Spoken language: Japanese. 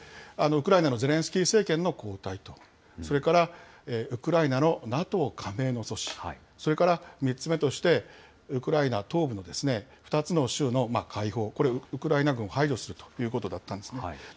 ウクライナのゼレンスキー政権の交代と、それからウクライナのＮＡＴＯ加盟の阻止、それから３つ目として、ウクライナ東部の２つの州の解放、これウクライナ軍を排除するということだったんですね。